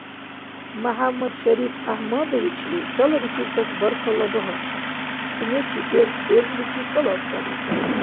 МяхӀяммадшарип ГӀяхӀмадовичли цалабикибтас баркалла багьахъур, сунечи берк-бержличи тӀалаббариб.